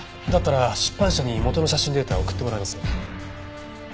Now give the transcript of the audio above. だったら出版社に元の写真データを送ってもらいます。